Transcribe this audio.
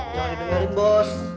jangan didengarin bos